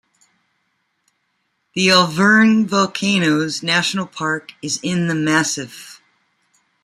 The Auvergne Volcanoes National Park is in the massif.